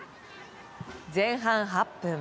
前半８分。